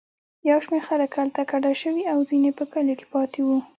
یو شمېر خلک هلته کډه شوي او ځینې په کلیو کې پاتې وو.